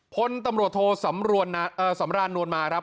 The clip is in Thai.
พ่นตำรวจโทนสำรราณนวลมารับ